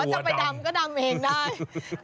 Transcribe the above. ก็คุณบอกว่าจะไปดำก็ดำเองได้